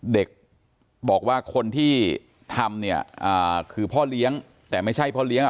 เด็กบอกว่าคนที่ทำเนี่ยคือพ่อเลี้ยงแต่ไม่ใช่พ่อเลี้ยง